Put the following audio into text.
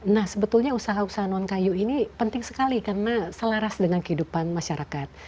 nah sebetulnya usaha usaha non kayu ini penting sekali karena selaras dengan kehidupan masyarakat